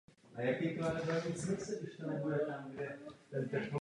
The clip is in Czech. I poté však zůstával způsob rozmnožování nejasný.